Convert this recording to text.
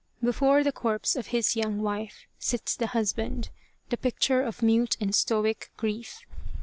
Before the corpse of his young wife sits the husband, the picture of mute and stoic grief.